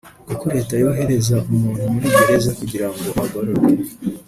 kuko leta yohereza umuntu muri gereza kugira ngo agororwe